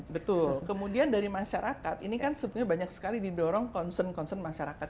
betul kemudian dari masyarakat ini kan sebetulnya banyak sekali didorong concern concern masyarakat